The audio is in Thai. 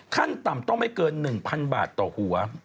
ขั้นต่ำต้องไม่เกิน๑๐๐๐บาทต่อหัว